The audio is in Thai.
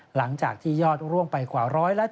หลังจากที่ยอดร่วงไปกว่า๑๗